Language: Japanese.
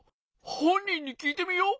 ほんにんにきいてみよう！